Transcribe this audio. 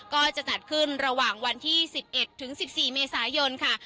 ก็จะจัดขึ้นระหว่างวันที่๑๑ถึง๑๔เมษายนค่ะ